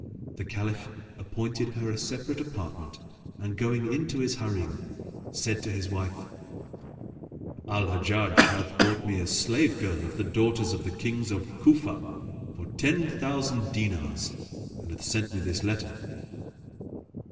The Caliph appointed her a separate apartment and going into his Harim, said to his wife, "Al Hajjaj hath bought me a slave girl of the daughters of the Kings of Cufa[FN#10] for ten thousand dinars, and hath sent me this letter."